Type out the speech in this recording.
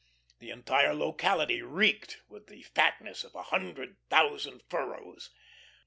The entire locality reeked with the fatness of a hundred thousand furrows.